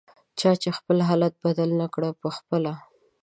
چا چې خپل حالت بدل نکړ پخپله